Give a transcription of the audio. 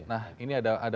nah ini ada